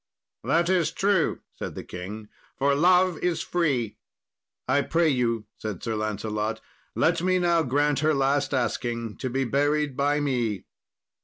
"That is true," said the king; "for love is free." "I pray you," said Sir Lancelot, "let me now grant her last asking, to be buried by me."